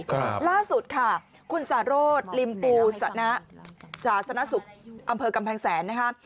ครับล่าสุดค่ะคุณสาโรธลิมปูสาธารณสุขอำเภอกำแพงแสนนะคะ